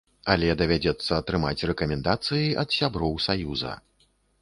Але давядзецца атрымаць рэкамендацыі ад сяброў саюза.